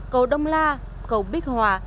cầu đông la cầu bích hòa